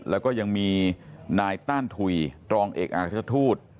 แล้วก็ยังมีนายต้านถุยตรองเอกอักราชทูต